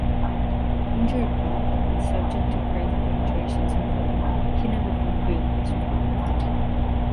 Injury-plagued, and subject to great fluctuations in form, he never fulfilled his promise.